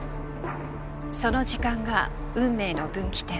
その時間が運命の分岐点。